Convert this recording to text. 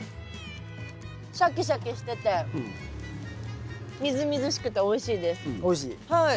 シャキシャキしててみずみずしくておいしいです。